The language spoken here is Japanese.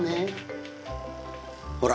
ほら。